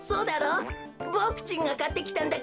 ボクちんがかってきたんだからな。